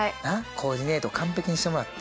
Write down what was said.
コーディネート完璧にしてもらって。